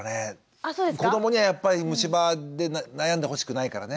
あそうですか？子どもにはやっぱり虫歯で悩んでほしくないからね。